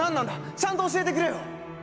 ちゃんと教えてくれよ！